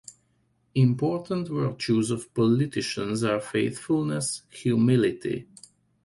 Important virtues of politicians are faithfulness, humility.